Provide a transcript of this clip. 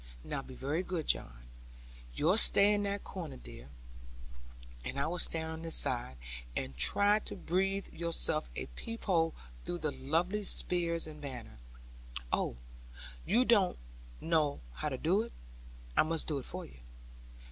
Now be very good, John. You stay in that corner, dear, and I will stand on this side; and try to breathe yourself a peep hole through the lovely spears and banners. Oh, you don't know how to do it. I must do it for you.